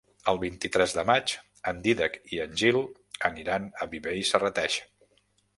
El vint-i-tres de maig en Dídac i en Gil aniran a Viver i Serrateix.